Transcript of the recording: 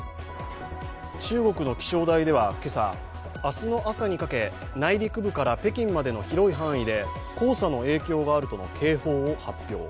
中国の気象台では今朝明日の朝にかけ内陸部から北京までの広い範囲で黄砂の影響があるとの警報を発表。